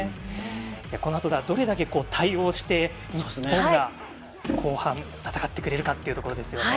このあと、どれだけ対応して日本が後半戦ってくれるかということですね。